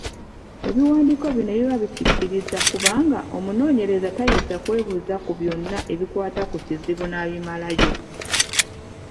Ebiwandiiko bino biba bikikkiriza kubanga omunoonyereza tayinza kwebuuza ku byonna ebikwata ku kizibu n’abimalayo.